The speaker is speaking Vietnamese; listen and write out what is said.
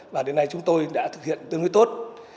và đến nay chúng tôi đã thực hiện tương đối tốt